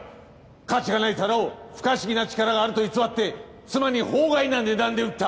価値がない皿を不可思議な力があると偽って妻に法外な値段で売った。